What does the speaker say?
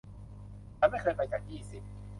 ฉันไม่เคยไปจากยี่สิบ